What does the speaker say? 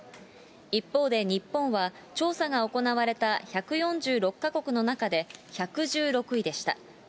一方で日本は、調査が行われた１４６か国の中で、１１６位でした。